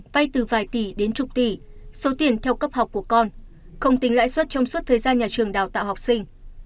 vay từ vài tỷ đến chục tỷ số tiền theo cấp học của con không tính lãi suất trong suốt thời gian nhà trường đào tạo học sinh